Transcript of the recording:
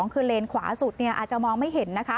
คือเลนขวาสุดอาจจะมองไม่เห็นนะคะ